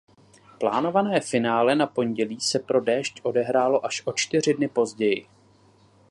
Plánované finále na pondělí se pro déšť odehrálo až o čtyři dny později.